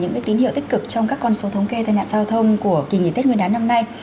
những cái hiệu tích cực trong các con số thống kê tài nạn giao thông của kỳ nghỉ tết nguyên đá năm nay